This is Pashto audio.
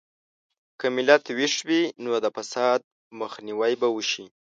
که ملت ویښ وي، نو د فساد مخنیوی به وشي.